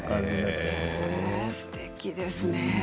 すてきですね。